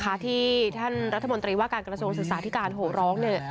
ที่ท่านรัฐมนตรีว่าการกระทรวงศึกษาที่การโหร้องเนี่ย